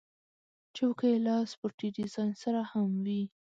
چوکۍ له سپورټي ډیزاین سره هم وي.